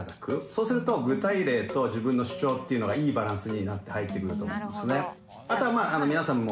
そうすると具体例と自分の主張っていうのがいいバランスになって入ってくると思うんですね。